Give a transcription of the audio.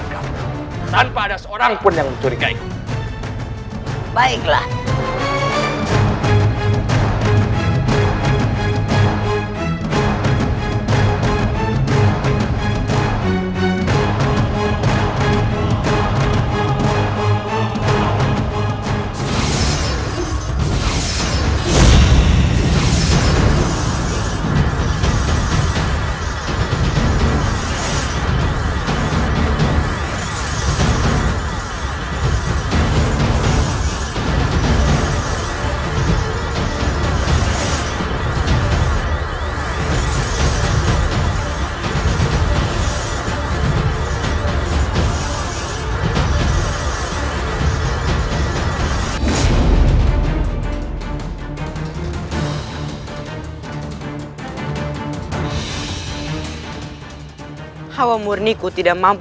berita terkini mengenai cuaca ekstrem dua ribu dua puluh satu